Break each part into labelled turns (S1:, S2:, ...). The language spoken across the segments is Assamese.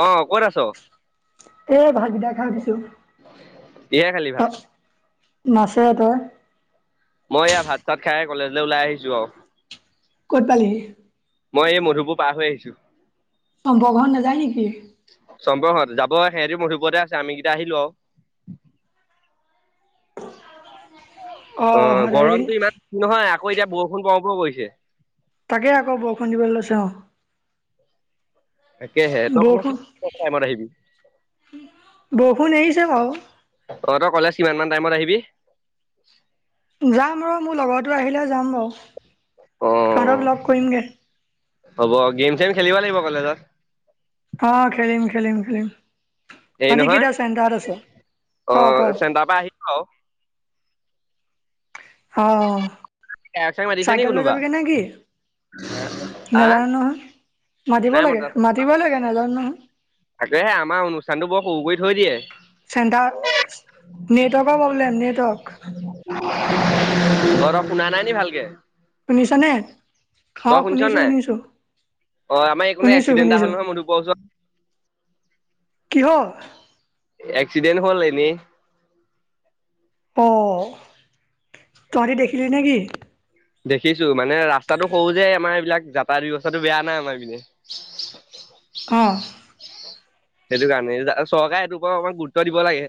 S1: অ', ক'ত আছ?
S2: এ ভাতকিটা খাই উঠিছোঁ।
S1: কিহে খালি ভাত?
S2: তই মাছেৰে এতে।
S1: অ' এয়া ভাত-চাত খাই কলেজলৈ ওলাই আহিছোঁ আৰু।
S2: ক'ত পালিহি?
S1: মই এই মধুপুৰ পাৰ হৈ আহিছোঁ।
S2: চম্প ঘৰ নেযায় নেকি?
S1: চম্পহঁত যাব। সিহঁতি মধুপুৰতে আছে। আমি কেইটা আহিলোঁ আও। অ' গৰমটো ইমান [inaudible] নহয়। আকৌ এতিয়া বৰষুণ পৰো - পৰো কৰিছে।
S2: তাকে আকৌ বৰষুণ দিবলৈ লৈছে অ
S1: তাকেহে। তই
S2: বৰষুণ
S1: [inaudible] টাইমত আহিবি?
S2: বৰষুণ আহিছে বাৰু।
S1: তই কলেজ কিমান মান টাইমত আহিবি?
S2: যাম আৰু। মোৰ লগৰটো আহিলে যাম বাৰু।
S1: অ
S2: তহঁতক লগ কৰিম গে।
S1: হ'ব। গেম-চেম খেলিব লাগিব কলেজত।
S2: অ' খেলিম - খেলিম - খেলিম।
S1: হেৰি
S2: তাহতি
S1: নহয়
S2: কেইটা ছেণ্টাৰত আছে?
S1: অ
S2: ক' - ক'।
S1: চেণ্টাৰ পৰা আহিব আৰু
S2: অ'।
S1: গায়ক চায়ক মাতিছে নি
S2: চাইকেল লৈ
S1: কোনোবা
S2: যাবিগে নেকি?
S1: আহ
S2: নাজানো নহয়। মাতিব
S1: নাই মতা
S2: লাগে-
S1: চাগে।
S2: মাতিবই লাগে। নাজানো নহয়।
S1: তাকেহে, আমাৰ অনুষ্ঠানটো বৰ সৰু কৰি থৈ দিয়ে।
S2: চেণ্টাৰ [unintelligible] নেটৱৰ্কৰ প্ৰব্লেম, নেটৱৰ্ক।
S1: অ' ৰ। শুনা নাই নি ভালকে?
S2: শুনিছ নে? খাও
S1: তই শুনিছ
S2: শুনিছো
S1: নাই
S2: শুনিছো,
S1: অ আমাৰ এইকণে
S2: শুনিছো
S1: এক্সিডেণ্ট এটা হ'ল
S2: শুনিছো।
S1: নহয় মধুপুৰৰ ওচৰত
S2: কিহ
S1: এক্সিডেণ্ট হ'ল এনেই।
S2: অঁ তহঁতি দেখিলি নে কি
S1: দেখিছোঁ মানে ৰাস্তাটো সৰু যে আমাৰ এইবিলাক যাতায়ত ব্যৱস্থাটো বেয়া নাই আমাৰ পিনে।
S2: অ
S1: সেইটো কাৰণে চৰকাৰে সেইটোৰ ওপৰত অকন গুৰুত্ব দিব লাগে।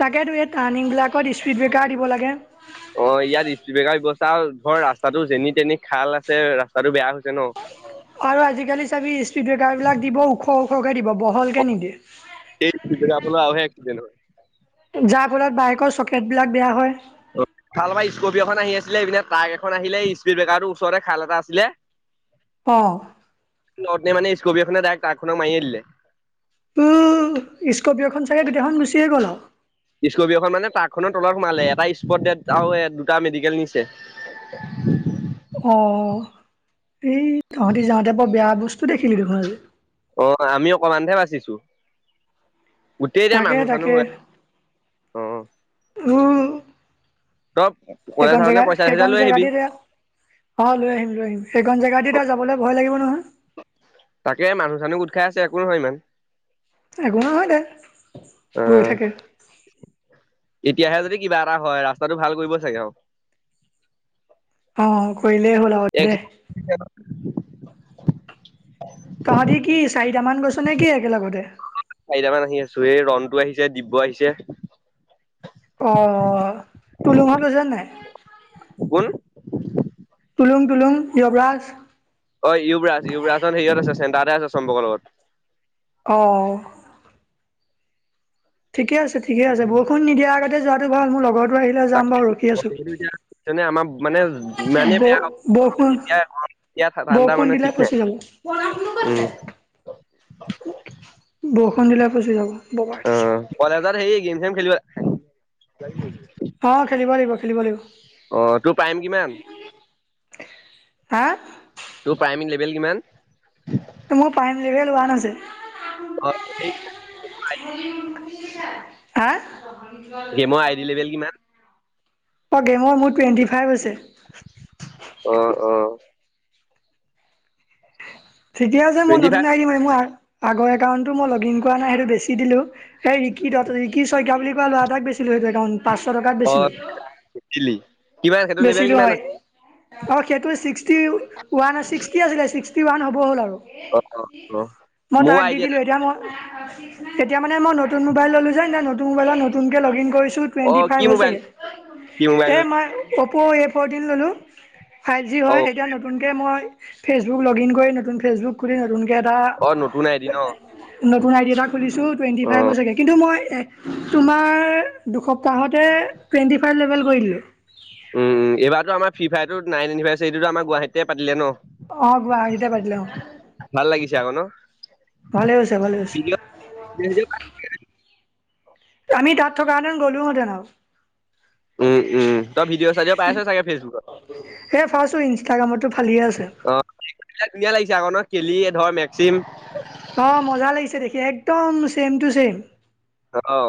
S2: তাকেতো এই টাৰ্ণিং বিলাকত স্পীড ব্ৰেকাৰ দিব লাগে
S1: ৰা ধৰ ৰাস্তাটো যেনি তেনি খাল আছে ৰাস্তাটো বেয়া হৈ গৈছে ন
S2: আৰু আজিকালি চাবি স্পীড ব্ৰেকাৰবিলাক দিব ওখ ওখকৈ দিব বহলকে নিদিয়ে
S1: এই আপাল আৰু হে এক্সিডেণ্ট হয়
S2: যাৰ ফলত বাইকৰ চকেটবিলাক বেয়া হয়
S1: কালভাৰ স্কপিঅ এখন আহি আছিলে এইপিনে ট্ৰাক এখন আহিলে স্পীড ব্ৰেকাৰটোৰ ওচৰতে খাল এটা আছিলে
S2: অ
S1: অথনি মানে স্কবি এখনে দাইক টাকখনক মাৰিয়ে দিলে।
S2: উম স্কপিয়খন চাগে গোটেইখন গুচিয়ে গ'ল আও
S1: স্কবি এখন মানে ট্ৰাকখনৰ তলত সোমালে এটা স্পট দেট আৰু দুটা মেডিকেল নিছে।
S2: [inaudible] অ এই তহঁতি যাওঁতে বৰ বেয়া বস্তু দেখিলি দেখোন আজি
S1: অ আমি অকমানতহে বাচিছো গোটেই এতিয়া
S2: তাকে
S1: মানুহ চানুহ
S2: তাকে
S1: হৈ আ অ
S2: উম!
S1: তই কলেজ
S2: সেইকন
S1: আহোতে
S2: জেগাত
S1: পইচা চইচা
S2: সেইকন
S1: লৈ আহিবি
S2: জেগাতে দে অ লৈ আহিম লৈ আহিম সেইখন জেগাদি ত যাবলৈ ভয় লাগিব নহয়
S1: তাকে মানুহ চানুহ গোট খাই আছে একো নহয় ইমান
S2: একো নহয় দে
S1: অ
S2: হৈ থাকে
S1: এতিয়াহে যদি কিবা এটা হয় ৰাস্তাটো ভাল কৰিব চাগে আৰু
S2: অ কৰিলে হ'ল আও দে
S1: এক্সিডেণ্ট [unintelligible]
S2: তহঁতি কি চাৰিটামান গৈছ নে কি একেলগতে
S1: চাৰিটামান আহি আছো এই ৰন ণ্টু আহিছে দিব্য আহিছে
S2: অ তুলুম হত আছে নাই
S1: কোন?
S2: তুলুং তুলুং য়বৰাজ
S1: অ য়ুৱৰাজ য়ুৱৰাজ চোন হেৰিয়ত আছে চেণ্টাৰতে আছে চম্পকৰ লগত।
S2: অহ ঠিকে আছে ঠিকে আছে বৰষুণৰ নিদিয়া আগতে যোৱাটো ভাল মোৰ লগত
S1: তাকেহে দিব লাগিব তুমিটো এতিয়া মানে আমাৰ মানে ইমানে
S2: ব
S1: বেয়া
S2: বৰষুণ
S1: ই ঠাণ্ডা
S2: বৰষুণ
S1: মানে
S2: দিলে
S1: ঠিক নাই
S2: ফচি যাব
S1: উম!
S2: বৰষুণ দিলে পচি যাব ববাই
S1: অ
S2: থৈছে
S1: কলেজত সেই গেম চেম খেলিব
S2: অ খেলিব লাগিব, খেলিব লাগিব।
S1: অ তোৰ টাইম কিমান
S2: হা
S1: তোৰ প্ৰাইমেৰী লেভেল কিমান
S2: মোৰ পাইমেলি লোৱা নাছে
S1: হয়ঠ [unintelligible]
S2: হা
S1: গেমৰ আই ডি লেভেল কিমান?
S2: অ গেমৰ মোৰো টুৱেণ্টি ফাইভ আছে
S1: অ অ
S2: ঠিকে হৈছে মই
S1: টুৱেণ্টি
S2: নতুন
S1: ফাইভ
S2: আহি দিম এই মোৰ আগৰ একাউণ্টটো মই লগ ইন কৰা নাই সেইটো বেছি দিলোঁ এই ঋকি দ ঋকি শইকীয়া বুলি কোৱা ল'ৰা এটাক দিছিলো সেইটো একাউণ্ট। পাঁচশ টকাত
S1: অ'
S2: বেছিলোঁ
S1: দিলি কিমান সেইটো
S2: বেছি
S1: লেভেল কিমান
S2: নহয়
S1: আছে
S2: অ সেইটো চিষ্টতি ওৱান চিষ্টতি আছিলে থটি ওৱান হ'ব হ'ল আৰু
S1: অ' অ' অ'
S2: মই
S1: মোৰ
S2: তাক দি
S1: আইডিয়া
S2: দিলোঁ এতিয়া মই এতিয়া মানে মই নতুন মোবাই ললো যে নতুন মোবাইল নতুনকে লগিন কৰিছোঁ। মই অ
S1: কি মোবাইল কি মোবাইল ললি
S2: ফাইভ জি হয়
S1: অ'
S2: এতিয়া নতুনকে মই ফেচবুক লগ ইন কৰি নতুন ফেচবুক খুলি নতুন
S1: অ নতুন আই দি ন
S2: নতুন আইডি এটা খুলিছোঁ টুৱেটি ফাইভ
S1: উম
S2: হৈছেগে কিন্তু মই তোমাৰ দুসপ্তাহতে টুৱেণ্টি ফাইভ লেভেল কৰি দলোঁ
S1: ফ্ৰীফায়াৰটো নাইননিভাৰ্চাৰটটো আমাৰ গুৱাহাটতে পাতিলে ন
S2: অ গুৱাহাটীতে পাটিলে অ
S1: ভাল লাগিছে আকৌ ন
S2: [inaudible] ভালে হৈছে, ভালে হৈছে
S1: ভিডিঅ' চিডিঅ' পাই
S2: আমি তাত থকাহেতেন গ'লোও হেতেন আৰু।
S1: উম উম তই ভিডিঅ' চিডিঅ' পাইছ চাগে ফেচবুকত
S2: এ ফাষ্টটো ইনষ্টাগ্ৰামতটো ফালি আছে
S1: অ ধুনীয়া লাগিছে আক ন খেলি ধৰ মেক্সিম [unintelligible]
S2: অ মজা লাগিছে দেখি একদম চেছম টু চছেম [unintelligible]
S1: অ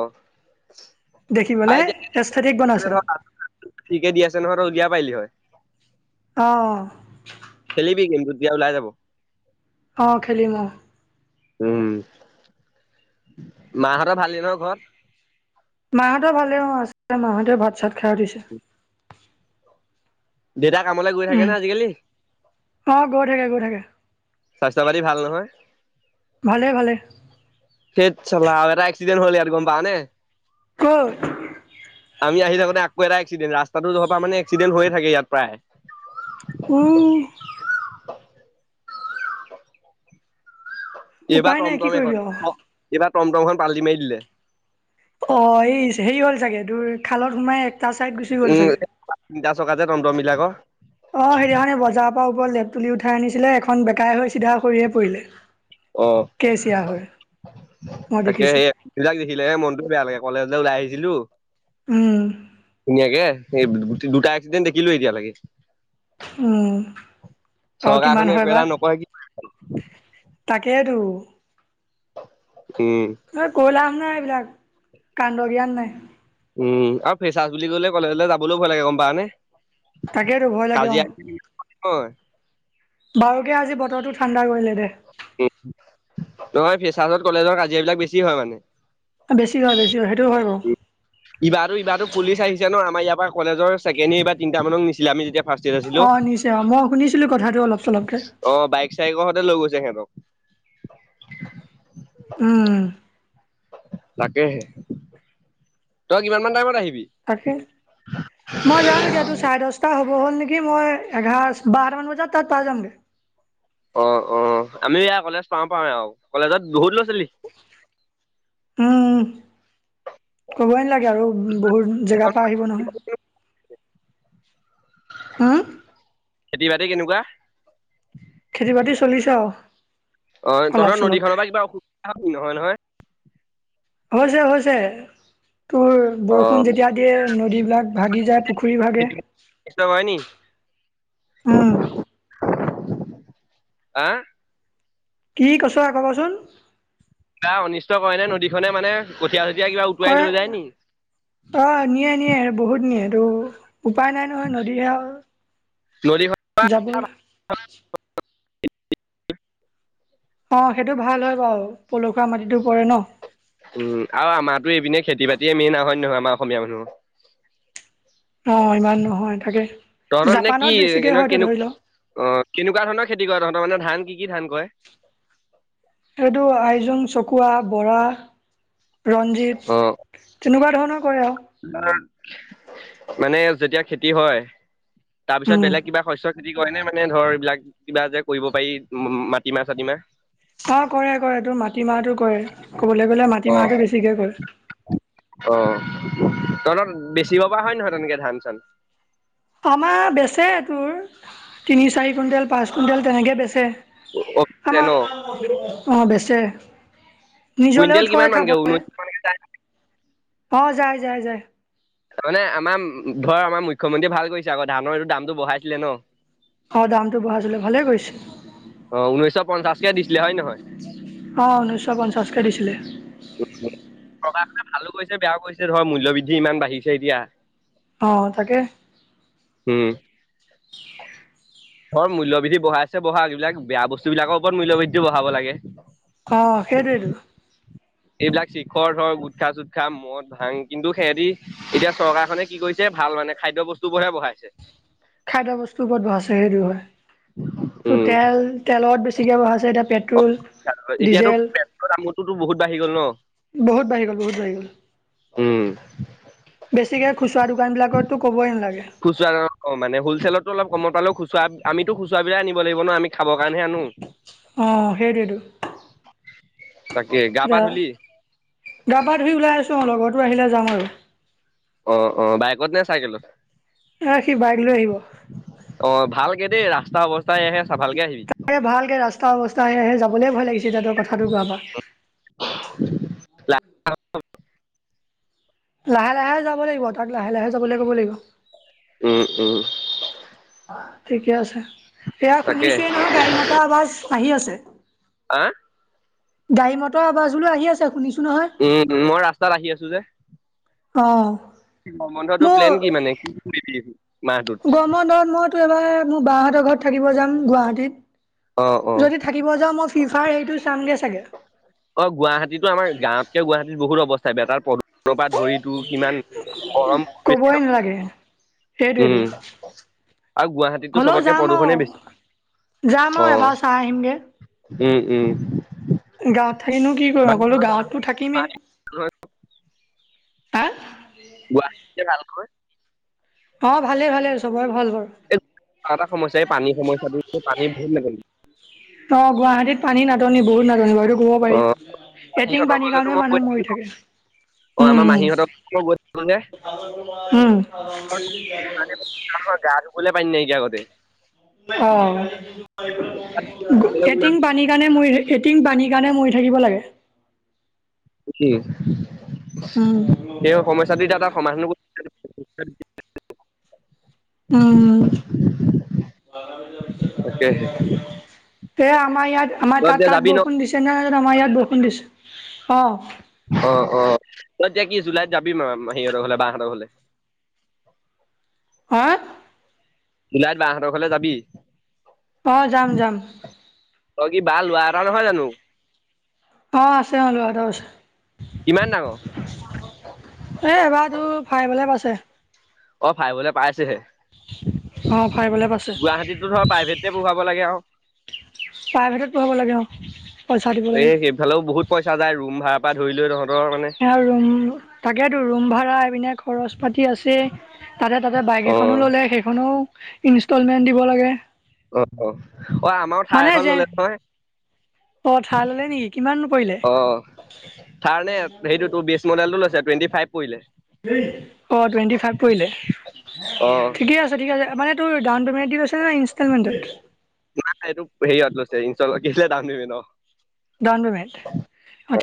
S2: দেখিবলে
S1: আই
S2: এস্থেটিক
S1: [unintelligible]
S2: বনাইছে
S1: ধৰা ফিৰিকে দি আছে নহয় তই উলিয়াব পাৰলি হয়।
S2: আহ
S1: খেলিবি গেমটো দিয়া ওলাই যাব।
S2: অ, খেলিম অ
S1: উম মাহঁতৰ ভাল ন ঘৰ
S2: মাহঁতে ভালেই অ আ মাহঁতে ভাত চাত খাই উ দিছে
S1: দেউতা কামলৈ গৈ থাকে
S2: উম
S1: না আজিকালি?
S2: অ গৈ থাকে গৈ থাকে
S1: স্বাস্থ্য পাতি ভাল নহয়
S2: ভালে ভালে
S1: [unintelligible] এক্সিডেণ্ট হ'ল ইয়াত গম পাঅ নে [unintelligible]
S2: কত
S1: আমি আহি থাকোতে আক এটা এক্সিডেণ্টত ৰাস্তাটো জহপা [unintelligible] মানে এক্সিডেণ্ট হৈ থাকে ইয়াত প্ৰায়।
S2: উ
S1: এইবাৰ
S2: উপায় নাই কি
S1: টমটম
S2: কৰিবি
S1: এখন
S2: আৰু
S1: এইবাৰ টমটমখন পাল্টি মাৰি দিলে
S2: অ এই হেৰি হ'ল চাগে তোৰ খালত সোমাই চাইড গুচি গ'ল
S1: উম
S2: চাগে।
S1: তিনিটা চকা যে টম -টম বিলাকৰ।
S2: অ সেইদিনাখানে বজাৰৰ পৰা ওপৰত লেপ তুলি উঠাই আনিছিলে এখন বেকাই হৈছিল চিধা কৰিয়ে পৰিলে
S1: অ',
S2: কেচিয়া হৈ মই
S1: তাকে সে
S2: দেখিছোঁ
S1: এইবিলাক দেখিলেহে মনটো বেয়া লাগে কলেজলৈ ওলাই আহিছিলো
S2: উম,
S1: ধুনীয়াকে এই দুটা এক্সিডেট দেখিলো এতিয়া লাগে
S2: উম আৰু
S1: চৰকাৰখনে
S2: কিমান
S1: একো
S2: হয় বা
S1: এটা নকয় কি
S2: তাকেইতো
S1: উম,
S2: অ কলাম নাই এইবিলাক কান্দ গীয়ান নাই [unintelligible]
S1: উম আৰু ফেচাজ বুলি কলে কলেজলৈ যাবলৈও ভয় লাগে গম পাঅ নে [unintelligible]
S2: তাকেটো ভয় লাগে অ
S1: হয়
S2: বাৰুকে আজি বতৰটো ঠাণ্ডা কৰিলে দে
S1: উ তোমাৰ ফেচাৰ্জত কলেজৰ কাজিয়াবিলাক বেছি হয় মানে
S2: বেছি গা বেছি সেইটোও হয় বাৰু
S1: ইবাৰো ইবাৰো কুলি চ আহিছে ন আমাৰ ইাৰ পৰা কলেজৰছেকেণ্ড ইয়াৰৰ বাাৰ তিনি মানক নিছিলে আমি যেতিয়া [unintelligible] ফষ্ট ইয়েৰ আছিলো
S2: অ', নিছে অ', মই শুনিছিলোঁ কথাটো অলপ চলপকে
S1: অ বাইক চাইকৰ [unintelligible] লৈ গৈছে সেহতক।
S2: উম,
S1: তাকেহে তই কিমান মান টাইমত আহিবি।
S2: তাকে মই যাম এতিয়া তোৰ চাৰে দশটা হ'ব। হ'ল নেকি মই এঘাৰ বাৰটা মান বজাত তাত পাই যামগে।
S1: অ - অ আমি এয়া কলেজ পাও - পাও আৰু কলেজত বহুত দূৰ
S2: উম ক'বই নালাগে আৰু বহুত জেগাৰ পৰা আহিব নহয়। হম
S1: খেতি বাতি কেনেকোৱা?
S2: খেতি বাতি চলিছে আৰু
S1: অ,
S2: অলপ
S1: তহনতৰ নদীখনৰ
S2: চলপকে
S1: পৰা কিবা অসুবিধা হয় নহয় - নহয়। [inaudible]
S2: হৈছে - হৈছে তোৰ
S1: অ
S2: বৰষুণ যেতিয়া দিয়ে নদীবিলাক ভাগি যায় পুখুৰী ভাগে
S1: খেতি অনিষ্ট কৰে নি
S2: উম,
S1: আহ
S2: কি কৈছ আকৌ কচোন।
S1: কিবা অনিষ্ট কৰে নে নদীখনে মানে কঠিয়াল
S2: কৰে অ, নিয়ে - নিয়ে বহুত নিয়ে এটো উপায় নাই নহয় নদীহে
S1: নদীখন
S2: আৰু যাবই। অ, সেইটো ভাল হয় বাৰু পলসুৱা মাটিতো পৰে ন।
S1: উম, আৰু আমাৰতো এইপিনে খেতি বাতিয়ে মেইন আহ নহয় আমাৰ অসমীয়া মানুহ।
S2: অ, ইমান নহয় তাকে
S1: তহঁতৰ পিনে কি
S2: জাপানত বেছিকে
S1: কেনে কেনেকুৱা
S2: হয়তো ধৰি ল।
S1: অ, কেনেকুৱা ধৰণৰ খেতি কৰে তহতৰ মানে ধান কি? কি ধান কৰে
S2: এইটো আইজোং চকুৱা বৰা
S1: অ
S2: ৰঞ্জিত তেনেকুৱা ধৰণৰ কৰে আৰু।
S1: মানে যেতিয়া খেতি হয় তাৰপিছত
S2: উম
S1: বেলেগ কিবা শস্য খেতি কৰে নে মানে ধৰ এইবলাক কিবা যে কৰিব পাৰি উম, মাটিমাহ চাটিমাহ।
S2: অ, কৰে - কৰে তোৰ মাটিমাহটো কৰে ক'বলৈ গলে
S1: অ
S2: মাটিমাহটো বেছিকে কৰে।
S1: অ, তলত বেচিব পৰা হয় নহয় তেনেকে ধান চান।
S2: আমাৰ বেচে তোৰ তিনি চাৰি কুইণ্টেল পাচ কুইণ্টেল তেনেকে বেচে।
S1: ন
S2: আমাৰ অ, বেছে। [unintelligible]
S1: কুইণ্টেল
S2: নিজলেও
S1: কিমান
S2: থৈ
S1: মানকে
S2: খাবলে।
S1: ঊনৈশ মানকে যায়
S2: অ, যাই - যাই - যাই।
S1: তাৰ মানে আমাৰ ঘৰ আমাৰ মুখ্যমন্ত্ৰীয়ে ভাল কৰিছে আকৌ ধানৰ এইটো দামটো বঢ়াইছিলে ন।
S2: অ, দামটো বঢ়াছিলে ভালে কৰিছে।
S1: অহ, উনৈশ পঞ্চাশকে দিছিলে হয় নহয়।
S2: পঞ্চাছ কে দিছিলে।
S1: চৰকাৰখনে ভালো কৰিছে বেয়াও কৰিছে ধৰ মূল্য বৃদ্ধি ইমান বাঢ়িছে এতিয়া।
S2: অ, তাকে।
S1: উম ধৰ মূল্যবৃদ্ধি ব়াই আছে বহা যিবিলাক বেয়া বস্তু বিলাকৰ ওপৰত মূল্যবৃদ্ধি বঢ়াব লাগে
S2: অ, সেইটোৱেইটো।
S1: এইবিলাক শিখৰ ধৰ গোটখা চোট খা মদ ভাং কিন্তু সিহতি এতিয়া চৰকাৰখনে কি কৰিছে ভাল ভাল মানে খাদ্য বস্তু বোৰ হে বঢ়াইছে।
S2: খাদ্য বস্তুও বহুত বাছে সেইটো হয়। ত'
S1: উম,
S2: তেল - তেলত বেছিকে বঢ়াইছে এতিয়া তে পেট্ৰল
S1: এতিয়াতো
S2: ডিজেল
S1: পেট্ৰলৰ দামটোতো বহুত বাঢ়ি গ'ল ন।
S2: বহুত বাঢ়ি গ'ল বহুত বাঢ়ি গ'ল।
S1: উম
S2: বেছিকৈ খুচুৰা দোকানবিলাকতো ক'বই নালাগে।
S1: হ'লছেলততো অলপ কমত পালেও খুচুৰা আমিতো খুচুৰাবিলা আনিব লাগিব না আমি খাবৰ কাৰণেহে আনো।
S2: অ, হেইটোৱেইটো।
S1: তাকে গা পা
S2: এতিয়া
S1: ধূলি?
S2: গা পা ধুই ওলাই আছোঁ লগৰতো আহিলে যাম আৰু।
S1: অ অ বাইকত নে চাইকেলত?
S2: এ সি বাইক লৈ আহিব
S1: [unintelligible]
S2: তাৰে ভালকে ৰাস্তা অৱস্থা সেহে যাবলৈ ভয় লাগিছে তই কথাটো কোৱাৰ পা। লাহে লাহে যাব লাগিব তাত লাহে লাহে যাবলে ক'ব লাগিব।
S1: উম উম।
S2: ঠিকে আছে এয়া
S1: তাকে।
S2: শুনিছেই নহয় গাড়ী মতৰ আৱাজ আহি আছে।
S1: অ
S2: গাড়ী মটৰ আবাজ বোলো আহি আছে শুনিছো নহয়
S1: উম মই ৰাস্তাত আহি আছোঁ যে।
S2: অ
S1: মন্ধটো প্লেন মাহটোত?
S2: গৰমৰ বন্ধত মইতো এবাৰ মোৰ বাহতৰ ঘৰত থাকিব যাম। উম
S1: অ',
S2: গুৱাহাটীত
S1: অ',
S2: যদি থাকিব যাওঁ মই ফিফা সেইটো চামগে চাগে
S1: অ গুৱাহাটীত আমাৰ গাঁৱতকে গুৱাহীত বহুত অৱস্থা বেটাৰ পদ
S2: সেই
S1: গৰম বেছি
S2: কবই
S1: ন'
S2: নালাগে। সেইটোৱেতো
S1: উম, আৰু গুৱাহাটীততো
S2: হ'লেও
S1: চবতকে
S2: যাম আও।
S1: প্ৰদূষণে বেছি
S2: যাম আৰু
S1: অ',
S2: এবাৰ চাই আহিমগে।
S1: উম উম।
S2: গাঁৱত থাকিনো কি কৰোঁ
S1: বাকী
S2: আকৌনো
S1: তহঁতৰ
S2: গাঁৱততো থাকিমেই
S1: গুৱাহাটী নহয়,
S2: আ
S1: গুৱাহাটীতে ভালকৈ
S2: অ ভালেই ভালে আৰু চবৰে ভাল বাৰু।
S1: [unintelligible]
S2: অ গুৱাহাটীত পানী নাটনি বহুত নাট- তো ক'ব পাৰি
S1: অ',
S2: এটিং
S1: মাহীহঁতৰ
S2: পানীৰ
S1: ঘৰলেতো
S2: কাৰণে
S1: মই গৈ
S2: মানুহ
S1: থাকো
S2: মৰি থাকে
S1: অ
S2: উম
S1: আমাৰ
S2: উম
S1: মাহীহঁতৰ গৈছিলোঁ মানে।
S2: উম
S1: পাৰিম নেকি আগতে।
S2: [inaudible] সেইকাৰণে মৰি থাকিব লাগে।
S1: কি?
S2: উম উম
S1: [unintelligible] তাকেহে।
S2: এই আমাৰ ইয়াত আমাৰ
S1: তই
S2: তাত
S1: এতিয়া
S2: তাত
S1: যাবি ন'
S2: বৰষুণ দিছে ন আমাৰ ইয়াত বৰষুণ দিছে অ।
S1: অ অ তই এতিয়া কি জুলাইত যাবি মাহীহঁতৰ ঘৰলে?
S2: অ
S1: জুলাইত বা হতৰ ঘৰলে যাবি?
S2: অ যাম যাম
S1: তই কি বা লোৱা এটা নহয় জানোঁ? কিমান ডাঙৰ?
S2: [inaudible] [inaudible]
S1: অ ফাইবলে পাইছেহে।
S2: অ। ফাইভ লে পাইছে
S1: গুৱাহাটীতো ধৰ প্ৰাইভেট পঢ়াব লাগে আৰু।
S2: প্ৰাইভেটত পঢ়াব লাগে অ পইচা দিব লাগে।
S1: এই সেইফালেও বহুত পইচা যাই ৰুম ভাড়া পা ধৰি লৈ। তহঁতৰ মানে
S2: ৰুম তাকেতো ৰুম ভাড়া আহ পিনে খৰচ পাতি আছে তাতে তাতে বাইক এখনো
S1: অ',
S2: ললে সেইখনও ইনষ্টলমেন্ট দিব লাগে।
S1: অ অ অ আমাৰো
S2: মানে
S1: ঠাৰ এখন
S2: যে
S1: ল'লে নহয়।
S2: অ থাৰ ল'লে নেকি কিমাননো পৰিলে?
S1: অ'। থাৰ নে সেইটো তোৰ বেষ্ট মডেলটো লৈছে টুৱেণ্টি ফাইভ পৰিলে
S2: অ টুৱেন্টি ফাইভ পৰিলে
S1: অ'।
S2: ঠিকেই আছে ঠিকেই আছে মানে তোৰ ডাউন পেমেণ্ট কেচ দি লেছে নে ইনষ্টমেণ্টট [unintelligible]
S1: যে ইনষ্টল কি আছিলে দাওন প্ৰেমেন্ট অ
S2: ডউন পেমেট